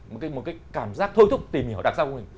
một cái cảm giác thôi thúc tìm hiểu đặc sắc của mình